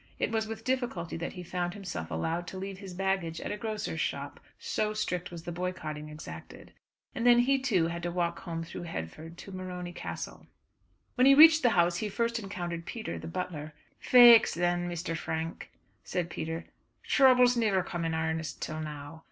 It was with difficulty that he found himself allowed to leave his baggage at a grocer's shop, so strict was the boycotting exacted. And then he too had to walk home through Headford to Morony Castle. When he reached the house he first encountered Peter, the butler. "Faix thin, Mr. Frank," said Peter, "throubles niver comed in 'arnest till now.